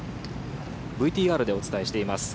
ＶＴＲでお伝えしています